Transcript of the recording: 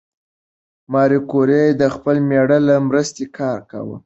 ماري کوري د خپل مېړه له مرسته کار کاوه.